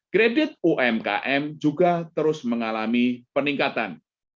kredit umkm juga terus mengalami peningkatan